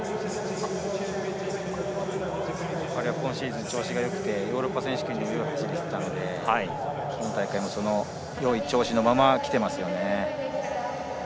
今シーズン彼は調子がよくてヨーロッパ選手権でよい走りをしていたので今大会もそのいい調子のままきていますね。